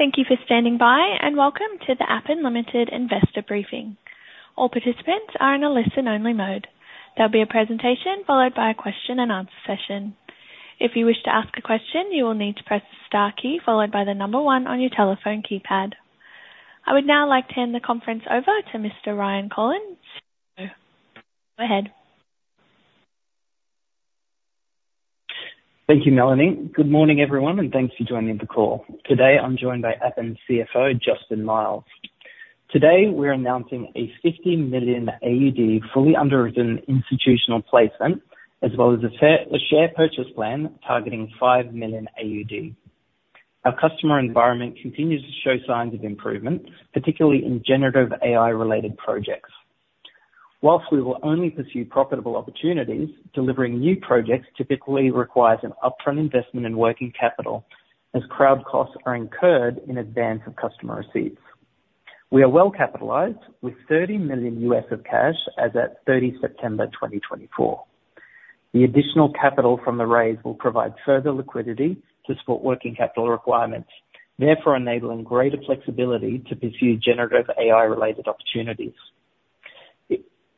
Thank you for standing by, and welcome to the Appen Limited Investor Briefing. All participants are in a listen-only mode. There'll be a presentation followed by a question-and-answer session. If you wish to ask a question, you will need to press the star key followed by the number one on your telephone keypad. I would now like to hand the conference over to Mr. Ryan Kolln. Go ahead. Thank you, Melanie. Good morning, everyone, and thanks for joining the call. Today, I'm joined by Appen's CFO, Justin Miles. Today, we're announcing a 50 million AUD fully underwritten institutional placement, as well as a share purchase plan targeting 5 million AUD. Our customer environment continues to show signs of improvement, particularly in generative AI-related projects. While we will only pursue profitable opportunities, delivering new projects typically requires an upfront investment in working capital, as crowd costs are incurred in advance of customer receipts. We are well capitalized, with $30 million of cash as at 30 September 2024. The additional capital from the raise will provide further liquidity to support working capital requirements, therefore enabling greater flexibility to pursue generative AI-related opportunities.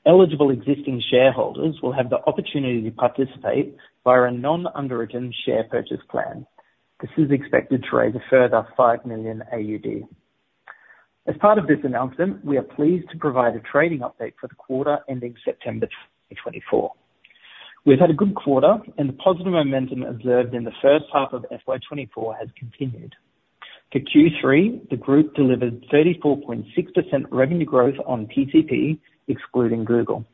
Eligible existing shareholders will have the opportunity to participate via a non-underwritten share purchase plan. This is expected to raise a further 5 million AUD. As part of this announcement, we are pleased to provide a trading update for the quarter ending September 2024. We've had a good quarter, and the positive momentum observed in the first half of FY 2024 has continued. For Q3, the group delivered 34.6% revenue growth on pcp, excluding Google.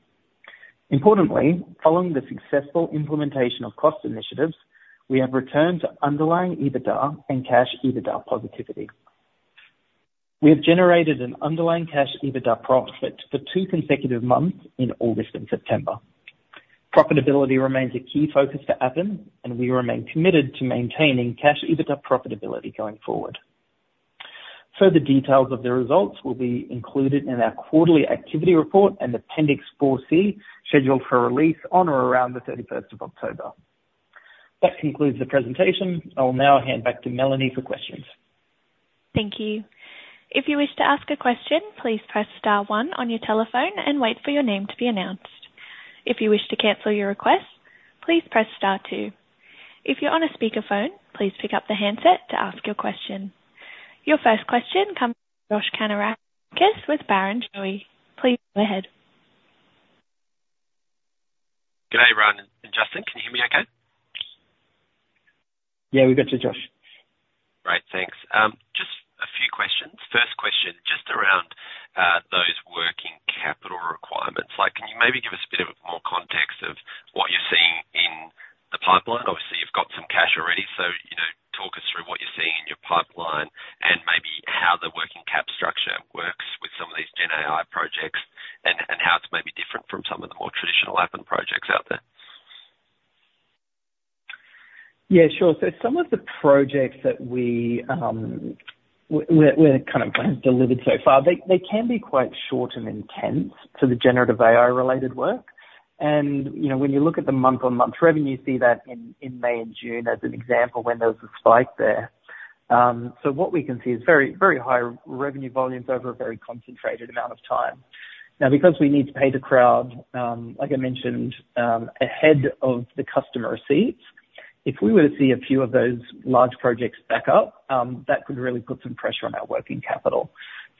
Importantly, following the successful implementation of cost initiatives, we have returned to underlying EBITDA and cash EBITDA positivity. We have generated an underlying cash EBITDA profit for two consecutive months in August and September. Profitability remains a key focus for Appen, and we remain committed to maintaining cash EBITDA profitability going forward. Further details of the results will be included in our quarterly activity report and Appendix 4C, scheduled for release on or around the thirty-first of October. That concludes the presentation. I will now hand back to Melanie for questions. Thank you. If you wish to ask a question, please press star one on your telephone and wait for your name to be announced. If you wish to cancel your request, please press star two. If you're on a speakerphone, please pick up the handset to ask your question. Your first question comes from Josh Kannourakis with Barrenjoey. Please go ahead. Good day, Ryan and Justin. Can you hear me okay? Yeah, we've got you, Josh. Great, thanks. Just a few questions. First question, just around those working capital requirements. Like, can you maybe give us a bit of more context of what you're seeing in the pipeline? Obviously, you've got some cash already, so, you know, talk us through what you're seeing in your pipeline and maybe how the working cap structure works with some of these Gen AI projects and how it's maybe different from some of the more traditional Appen projects out there. Yeah, sure, so some of the projects that we've kind of delivered so far, they can be quite short and intense to the Generative AI-related work, and you know, when you look at the month-on-month revenue, you see that in May and June as an example, when there was a spike there, so what we can see is very, very high revenue volumes over a very concentrated amount of time. Now, because we need to pay the Crowd, like I mentioned, ahead of the customer receipts, if we were to see a few of those large projects back up, that could really put some pressure on our working capital,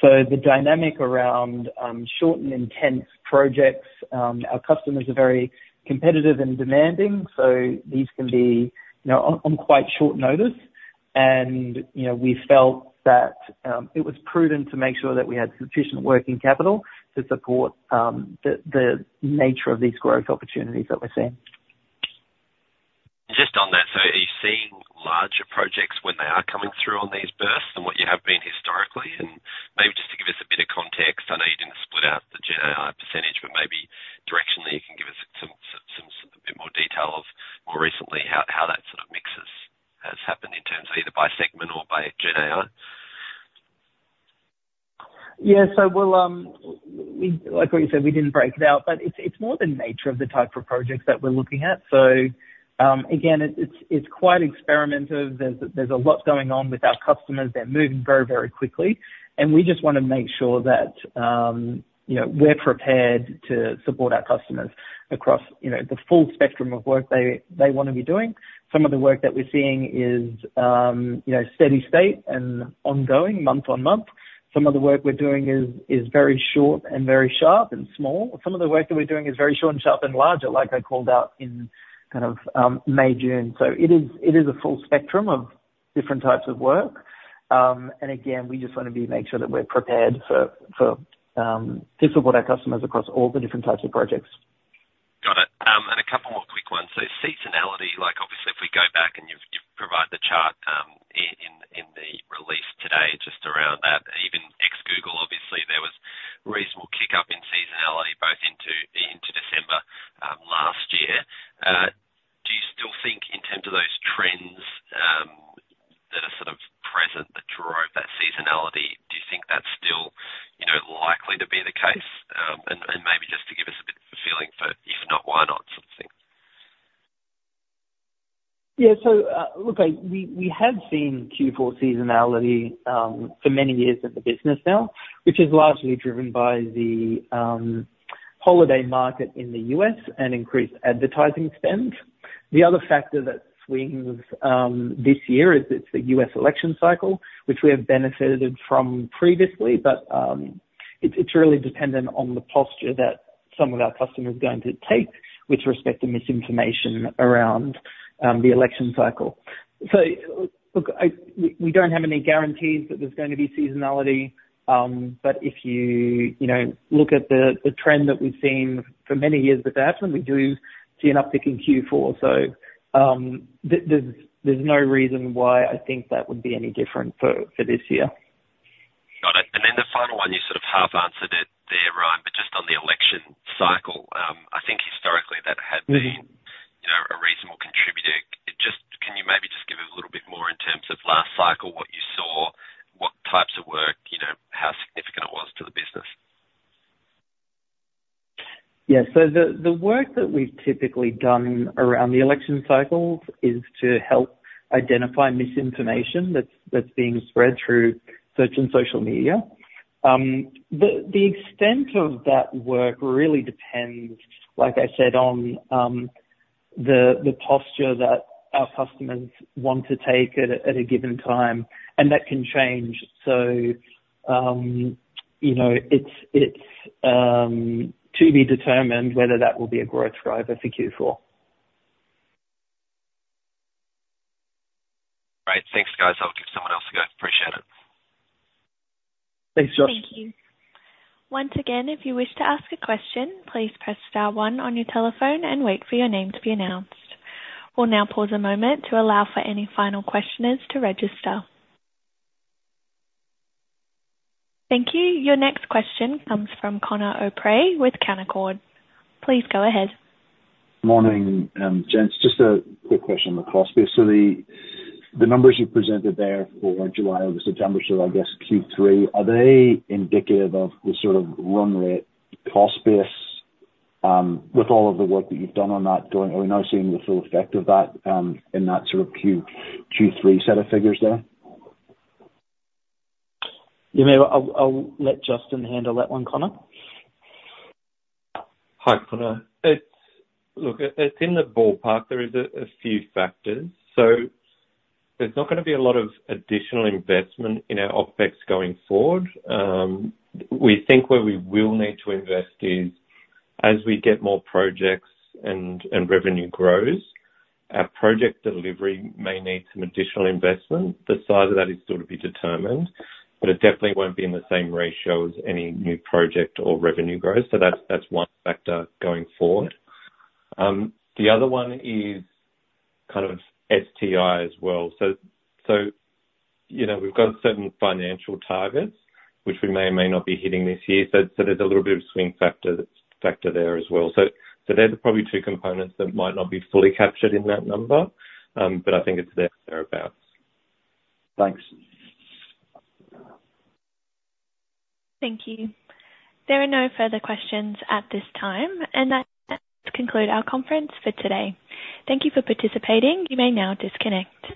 so the dynamic around short and intense projects, our customers are very competitive and demanding, so these can be, you know, on quite short notice. You know, we felt that it was prudent to make sure that we had sufficient working capital to support the nature of these growth opportunities that we're seeing. Just on that, so are you seeing larger projects when they are coming through on these bursts than what you have been historically? And maybe just to give us a bit of context, I know you didn't split out the Gen AI percentage, but maybe directionally, you can give us some a bit more detail of more recently, how that sort of mixes has happened in terms of either by segment or by Gen AI. Yeah. So we'll like we said, we didn't break it out, but it's, it's more the nature of the type of projects that we're looking at. So, again, it's quite experimental. There's a lot going on with our customers. They're moving very, very quickly, and we just wanna make sure that, you know, we're prepared to support our customers across, you know, the full spectrum of work they wanna be doing. Some of the work that we're seeing is, you know, steady state and ongoing, month-on-month. Some of the work we're doing is very short and very sharp and small. Some of the work that we're doing is very short and sharp and larger, like I called out in kind of, May, June. So it is a full spectrum of different types of work. And again, we just wanna make sure that we're prepared to support our customers across all the different types of projects. Got it. And a couple more quick ones. So seasonality, like, obviously, if we go back and you've provided the chart in the release today, just around that, even ex Google, obviously, there was reasonable kick-up in seasonality, both into December last year. Do you still think in terms of those trends that are sort of present that drove that seasonality, do you think that's still, you know, likely to be the case? And maybe just-... Why not, sort of thing? Yeah, so, look, we have seen Q4 seasonality for many years in the business now, which is largely driven by the holiday market in the US and increased advertising spend. The other factor that swings this year is it's the US election cycle, which we have benefited from previously, but it's really dependent on the posture that some of our customers are going to take with respect to misinformation around the election cycle. So, look, we don't have any guarantees that there's going to be seasonality, but if you know look at the trend that we've seen for many years with Amazon, we do see an uptick in Q4. So, there's no reason why I think that would be any different for this year. Got it. And then the final one, you sort of half answered it there, Ryan, but just on the election cycle, I think historically that has been- Mm-hmm... you know, a reasonable contributor. Just, can you maybe just give a little bit more in terms of last cycle, what you saw, what types of work, you know, how significant it was to the business? Yeah. So the work that we've typically done around the election cycles is to help identify misinformation that's being spread through search and social media. The extent of that work really depends, like I said, on the posture that our customers want to take at a given time, and that can change. So, you know, it's to be determined whether that will be a growth driver for Q4. Great. Thanks, guys. I'll give someone else a go. Appreciate it. Thanks, Josh. Thank you. Once again, if you wish to ask a question, please press star one on your telephone and wait for your name to be announced. We'll now pause a moment to allow for any final questioners to register. Thank you. Your next question comes from Conor O'Prey with Canaccord. Please go ahead. Morning, gents. Just a quick question on the cost base. So the numbers you presented there for July over September, so I guess Q3, are they indicative of the sort of run rate cost base, with all of the work that you've done on that going, are we now seeing the full effect of that, in that sort of Q3 set of figures there? You know, I'll let Justin handle that one, Conor. Hi, Conor. It's... Look, it's in the ballpark. There is a few factors. So there's not gonna be a lot of additional investment in our OpEx going forward. We think where we will need to invest is, as we get more projects and revenue grows, our project delivery may need some additional investment. The size of that is still to be determined, but it definitely won't be in the same ratio as any new project or revenue growth. So that's one factor going forward. The other one is kind of STI as well. So, you know, we've got certain financial targets which we may or may not be hitting this year, so there's a little bit of swing factor there as well. They're probably the two components that might not be fully captured in that number, but I think it's thereabouts. Thanks. Thank you. There are no further questions at this time, and that concludes our conference for today. Thank you for participating. You may now disconnect.